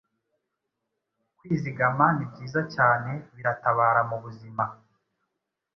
kwizigama nibyiza cyane biratabara mubuzima